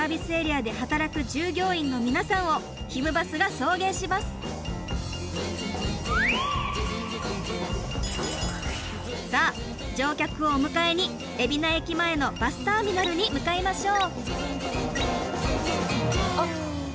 そこで今回さあ乗客をお迎えに海老名駅前のバスターミナルに向かいましょう！